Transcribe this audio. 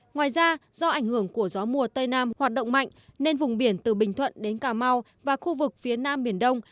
ngoài ra do ảnh hưởng của gió mùa tây nam hoạt động mạnh nên vùng biển từ bình thuận đến cà mau và khu vực phía nam biển đông